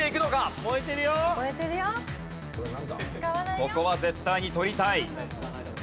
ここは絶対に取りたい。